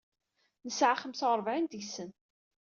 Nesɛa xemsa-urebɛin deg-sen.